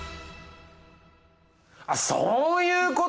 あっそういうことか。